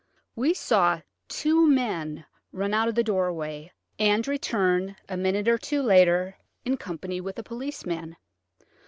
We saw two men run out of the doorway, and return a minute or two later in company with a policeman.